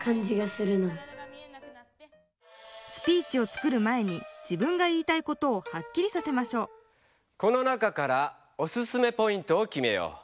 スピーチを作る前に自分が言いたいことをはっきりさせましょうこの中からオススメポイントをきめよう。